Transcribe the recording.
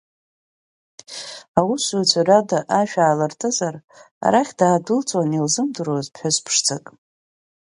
Аусзуҩцәа руада ашә аалыртызар, арахь даадәылҵуан илзымдыруаз ԥҳәыс ԥшӡак.